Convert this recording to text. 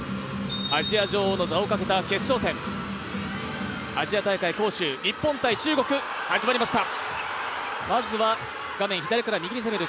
アジア女王の座をかけた決勝戦、アジア大会杭州、日本×中国、始まりました。